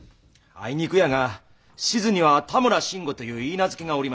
あいにくやが志津には多村慎吾という許嫁がおりまして。